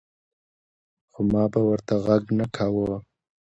خو ما به ورته غږ نۀ کوۀ ـ